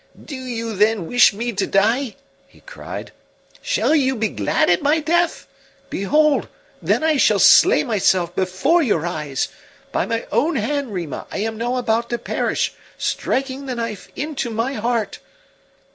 "Do you then wish me to die?" he cried. "Shall you be glad at my death? Behold, then I shall slay myself before your eyes. By my own hand, Rima, I am now about to perish, striking the knife into my heart!"